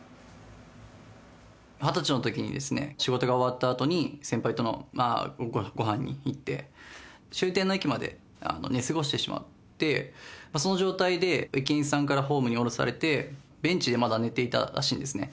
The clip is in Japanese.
２０歳のときに、仕事が終わったあとに先輩とごはんに行って、終点の駅まで寝過ごしてしまって、その状態で駅員さんからホームに降ろされて、ベンチでまだ寝ていたらしいんですね。